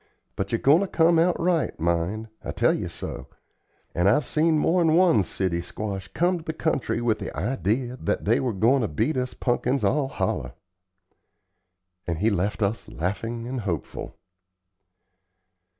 But ye're goin' to come out right, mind, I tell ye so; and I've seen mor'n one city squash come to the country with the idee that they were goin' to beat us punkins all holler." And he left us laughing and hopeful.